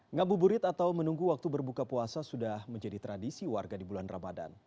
ngabuburit atau menunggu waktu berbuka puasa sudah menjadi tradisi warga di bulan ramadan